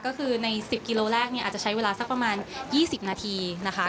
ก็คือใน๑๐กิโลแรกเนี่ยอาจจะใช้เวลาสักประมาณ๒๐นาทีนะคะ